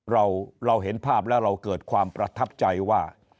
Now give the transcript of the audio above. เราเห็นภาพแล้วเราเกิดความประทับใจว่า